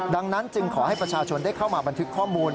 ดังนั้นจึงขอให้ประชาชนได้เข้ามาบันทึกข้อมูล